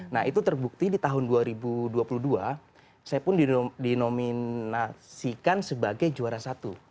nah itu terbukti di tahun dua ribu dua puluh dua saya pun dinominasikan sebagai juara satu